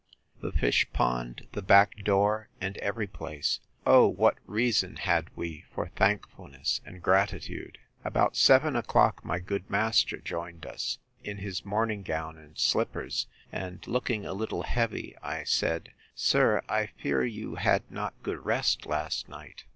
The fish pond, the back door, and every place. O what reason had we for thankfulness and gratitude! About seven o'clock my good master joined us, in his morning gown and slippers; and looking a little heavy, I said, Sir, I fear you had not good rest last night.